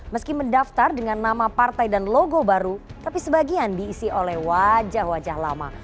meski mendaftar dengan nama partai dan logo baru tapi sebagian diisi oleh wajah wajah lama